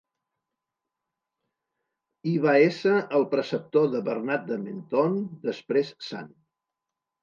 Hi va ésser el preceptor de Bernat de Menthon, després sant.